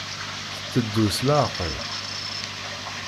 Tetteddu s leɛqel.